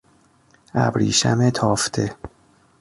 ابریشم تافته